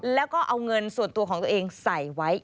แล้วก็เอาเงินส่วนตัวของตัวเองใส่ไว้